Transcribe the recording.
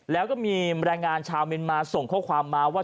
แล้วก็มีแรงงานชาวเมียนมาส่งข้อความมาว่า